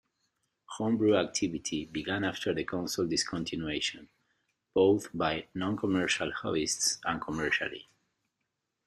Homebrew activity began after the console's discontinuation, both by noncommercial hobbyists and commercially.